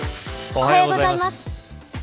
おはようございます。